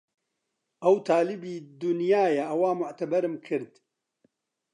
ئەو تالیبی دونیایە ئەوا موعتەبەرم کرد